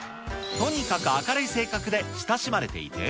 とにかく明るい性格で親しまれていて。